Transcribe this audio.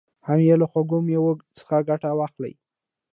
هم یې له خوږو مېوو څخه ګټه واخلي.